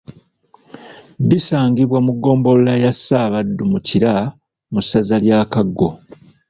Bisangibwa mu Ggombolola ya Ssaabaddu mu Kira Mu Ssaza lya Kaggo.